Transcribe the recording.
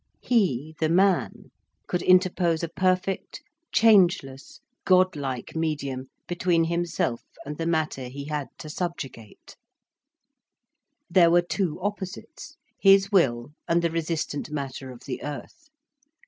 He, the man, could interpose a perfect, changeless, godlike medium between himself and the Matter he had to subjugate. There were two opposites, his will and the resistant Matter of the earth.